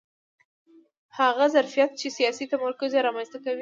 هغه ظرفیت چې سیاسي تمرکز یې رامنځته کوي